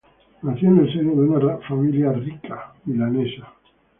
Nació en el seno de una rica familia milanesa.